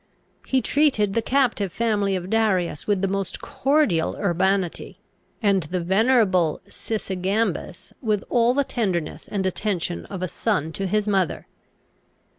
He treated the captive family of Darius with the most cordial urbanity, and the venerable Sysigambis with all the tenderness and attention of a son to his mother.